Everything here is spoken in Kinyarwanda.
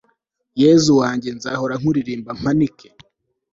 r/ yezu wanjye, nzahora nkuririmbira, mpanike